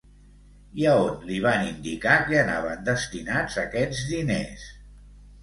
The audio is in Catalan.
I a on li va indicar que anaven destinats aquests diners?